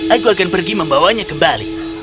aku akan pergi membawanya kembali